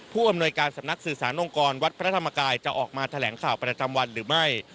ผู้อำนวยการสำนักสื่อสารองค์กรวัดพระธรรมกายจะออกมาแถลงข่าวประจำวันหรือไม่